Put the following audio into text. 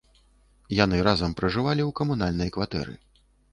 Яны разам пражывалі ў камунальнай кватэры.